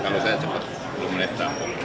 kalau saya cepat belum mulai berangkut